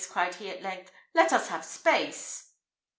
cried he at length; "let us have space."